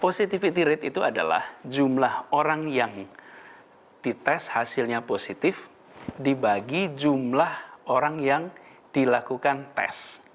positivity rate itu adalah jumlah orang yang dites hasilnya positif dibagi jumlah orang yang dilakukan tes